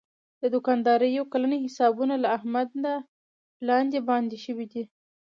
د دوکاندارۍ یو کلن حسابونه له احمده لاندې باندې شوي دي.